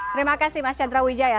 terima kasih mas chandra wijaya